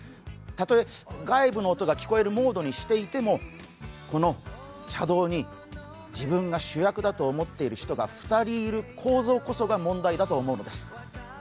たとえ外部の音が聞こえるモードにしていてもこの車道に自分が主役だと思っている人が２人いる構造こそが問題だと思うんです。